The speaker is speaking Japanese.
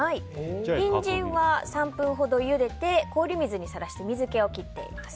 ニンジンは３分ほどゆでて氷水にさらして水気を切っています。